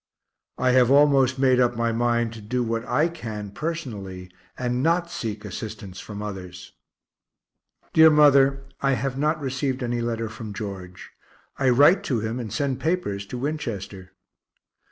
I have almost made up my mind to do what I can personally, and not seek assistance from others. Dear mother, I have not received any letter from George. I write to him and send papers to Winchester.